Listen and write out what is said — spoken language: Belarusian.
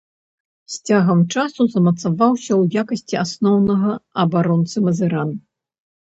З цягам часу замацаваўся ў якасці асноўнага абаронцы мазыран.